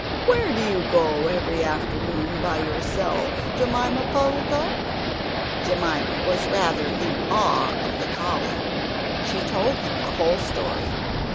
Where do you go every afternoon by yourself, Jemima Puddle duck?" Jemima was rather in awe of the collie; she told him the whole story.